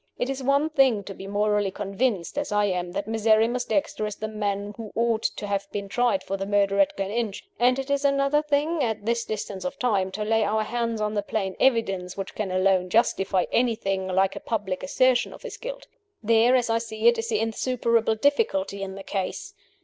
It is one thing to be morally convinced (as I am) that Miserrimus Dexter is the man who ought to have been tried for the murder at Gleninch; and it is another thing, at this distance of time, to lay our hands on the plain evidence which can alone justify anything like a public assertion of his guilt. There, as I see it, is the insuperable difficulty in the case.